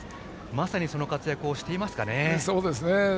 まさにその活躍をしていますね。